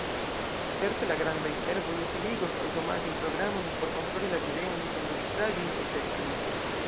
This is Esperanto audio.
Certe la grandaj servoj utiligos aŭtomatajn programojn por kontroli la videojn, sonregistraĵojn kaj tekstojn.